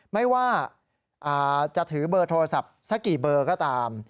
ไม่ว่าจะถือเบอร์โทรศัพท์สักกี่เบอร์ก็ตาม